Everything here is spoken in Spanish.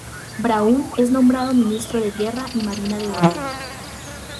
Braun es nombrado ministro de Guerra y Marina de Bolivia.